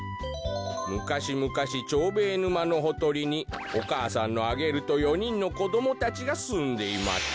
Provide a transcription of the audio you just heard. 「むかしむかしチョーベーぬまのほとりにおかあさんのアゲルと４にんのこどもたちがすんでいました」。